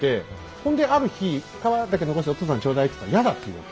それである日皮だけ残してお父さんにちょうだいって言ったらやだって言うわけ。